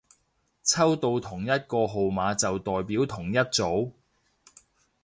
抽到同一個號碼就代表同一組